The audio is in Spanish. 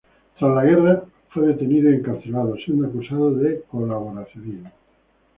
Tras la guerra fue detenido y encarcelado, siendo acusado de colaboracionismo.